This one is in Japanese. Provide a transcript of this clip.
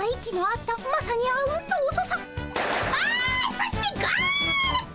そしてゴール！